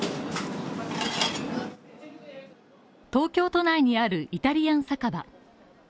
東京都内にあるイタリアン酒場。